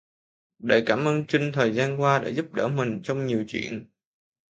Để cảm ơn trinh thời gian qua đã giúp đỡ mình trong nhiều chuyện